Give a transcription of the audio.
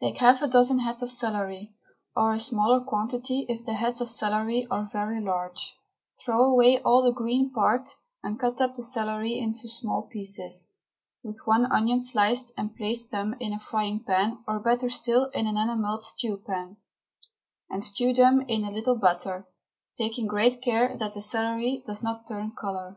Take half a dozen heads of celery, or a smaller quantity if the heads of celery are very large; throw away all the green part and cut up the celery into small pieces, with one onion sliced, and place them in a frying pan, or, better still, in an enamelled stew pan, and stew them in a little butter, taking great care that the celery does not turn colour.